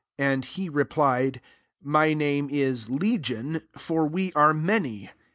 '^ And he repUed •* My name i> Legion ; for we are many.